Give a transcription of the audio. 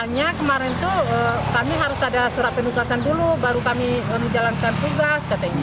makanya kemarin itu kami harus ada surat penugasan dulu baru kami menjalankan tugas katanya